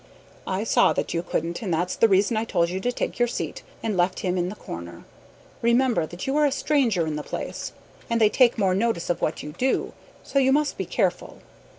"I saw that you couldn't, and that's the reason I told you to take your seat, and left him in the corner. Remember that you are a stranger in the place, and they take more notice of what you do, so you must be careful.